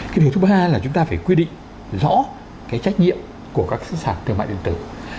cái điều thứ ba là chúng ta phải quy định rõ cái trách nhiệm của các sản thương mại điện tử